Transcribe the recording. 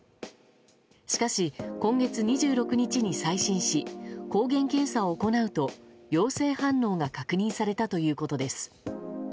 しかし、今月２６日に再診し抗原検査を行うと陽性反応が確認されたということです。